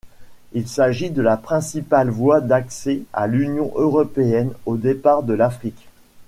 Il s'agit de la principale voie d'accès à l'Union européenne au départ de l'Afrique.